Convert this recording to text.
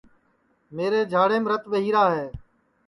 میرے جھاڑیم رت ٻہی را ہے